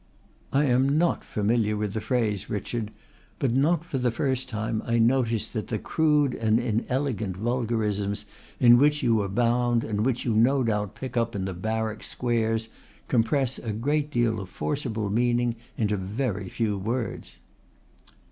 "I am not familiar with the phrase, Richard, but not for the first time I notice that the crude and inelegant vulgarisms in which you abound and which you no doubt pick up in the barrack squares compress a great deal of forcible meaning into very few words."